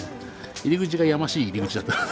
入り口がやましい入り口だったので。